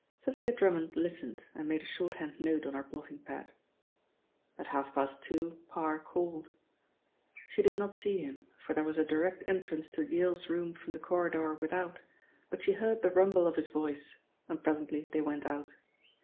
Thalia Drummond listened and made a shorthand note on her blotting pad. At half past two Parr called. She did not see him, for there was a direct entrance to Yale's room from the corridor without, but she heard the rumble of his voice, and presently they went out.